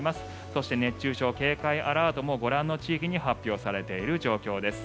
そして、熱中症警戒アラートもご覧の地域に発表されている状況です。